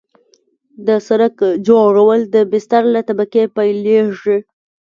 د سرک جوړول د بستر له طبقې پیلیږي